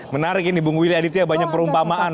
menarik ini bung willy aditya banyak perumpamaan